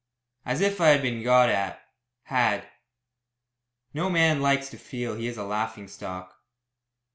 As if I had been "got at," "had." No man likes to feel that he is a laughing stock.